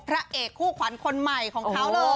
พระเอกคู่ขวัญคนใหม่ของเขาเลย